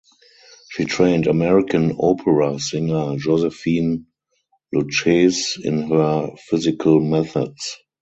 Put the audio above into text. She trained American opera singer Josephine Lucchese in her physical methods.